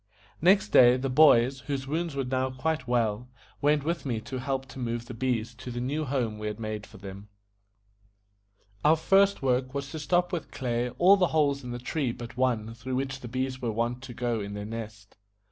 Next day, the boys, whose wounds were now quite well, went with me to help to move the bees to the new home we had made for them. Our first work was to stop with clay all the holes in the tree but one through which the bees were wont to go in to their nest.